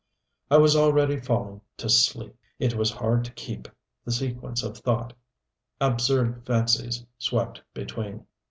I was already falling to sleep.... It was hard to keep the sequence of thought; absurd fancies swept between.